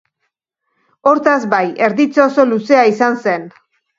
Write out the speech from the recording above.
Hortaz, bai, erditze oso luzea izan zen.